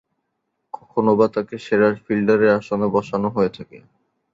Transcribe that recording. কখনোবা তাকে সেরা ফিল্ডারের আসনে বসানো হয়ে থাকে।